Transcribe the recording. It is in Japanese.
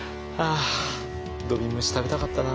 あ土瓶蒸し食べたかったな。